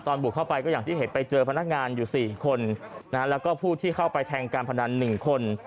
บุกเข้าไปก็อย่างที่เห็นไปเจอพนักงานอยู่๔คนแล้วก็ผู้ที่เข้าไปแทงการพนัน๑คน